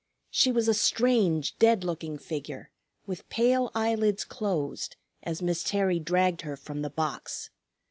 She was a strange, dead looking figure, with pale eyelids closed, as Miss Terry dragged her from the box.